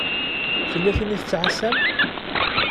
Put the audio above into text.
Tella tin i tettɛasam?